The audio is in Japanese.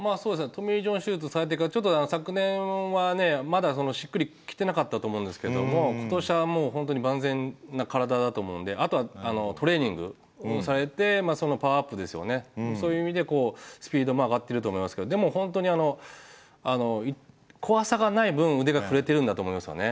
トミー・ジョン手術されてから昨年はねまだしっくり来てなかったと思うんですけども今年はもう万全な体だと思うんであとはトレーニングをされてパワーアップですよねそういう意味でスピードも上がってると思いますけどでも本当にあの怖さがない分腕が振れてるんだと思いますよね。